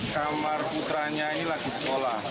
kamar putranya ini lagi sekolah